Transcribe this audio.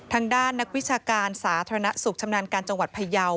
ทางด้านนักวิชาการสาธารณสุขชำนาญการจังหวัดพยาว